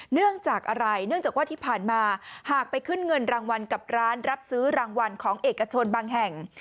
เนื่องจากอะไรเนื่องจากว่าที่ผ่านมาหากไปขึ้นเงินรางวัลกับร้านรับซื้อรางวัลของเอกชนบางแห่ง